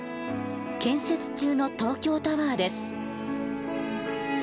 建設中の東京タワーです。